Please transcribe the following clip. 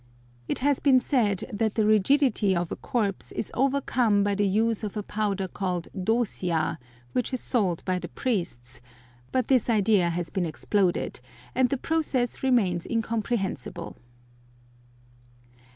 It has been said that the rigidity of a corpse is overcome by the use of a powder called dosia, which is sold by the priests; but this idea has been exploded, and the process remains incomprehensible.